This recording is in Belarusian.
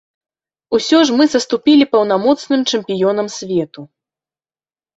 Усё ж мы саступілі паўнамоцным чэмпіёнам свету.